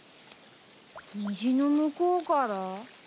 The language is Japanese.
虹の向こうから？